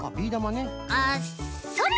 あっそれ！